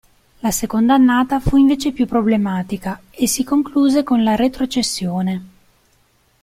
La seconda annata fu invece più problematica, e si concluse con la retrocessione.